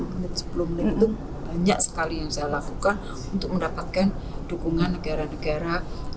sepuluh menit sebelum menit itu banyak sekali yang saya lakukan untuk mendapatkan dukungan negara negara